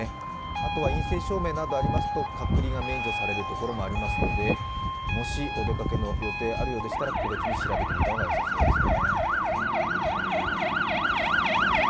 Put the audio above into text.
あとは陰性証明などがありますと隔離が免除されるところもありますのでもしお出かけの予定があるようでしたら個別に調べてみた方がよさそうですね。